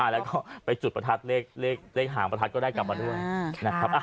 แล้วก็ไปจุดประทัดเลขหางประทัดก็ได้กลับมาด้วยนะครับ